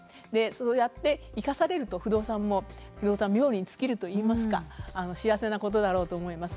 そうやっていかされると不動産も不動産冥利に尽きるといいますか幸せなことだろうと思います。